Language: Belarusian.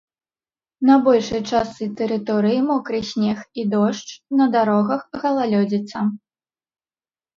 На большай частцы тэрыторыі мокры снег і дождж, на дарогах галалёдзіца.